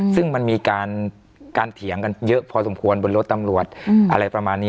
ซึ่งมันมีการเถียงกันเยอะพอสมควรบนรถตำรวจอะไรประมาณนี้